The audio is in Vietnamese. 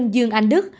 dương anh đức